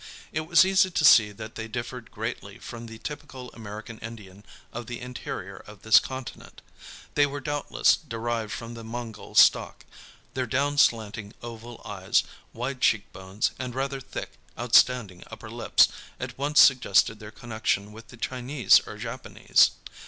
It was easy to see that they differed greatly from the typical American Indian of the interior of this continent. They were doubtless derived from the Mongol stock. Their down slanting oval eyes, wide cheek bones, and rather thick, outstanding upper lips at once suggest their connection with the Chinese or Japanese.